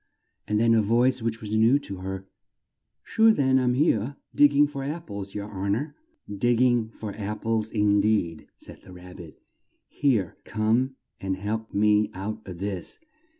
And then a voice which was new to her, "Sure then, I'm here! Dig ging for apples, yer hon or!" "Dig ging for ap ples, in deed!" said the Rab bit. "Here! Come and help me out of this!